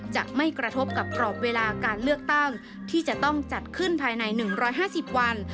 จะไม่กระทบกับกรอบเวลาการเลือกตั้งที่จะต้องจัดขึ้นภายใน๑๕๐วัน